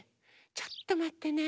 ちょっとまってね。